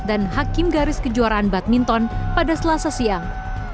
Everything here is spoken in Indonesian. dan hakim garis kejuaraan badminton pada selasa siang